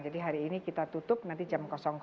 jadi hari ini kita tutup nanti jam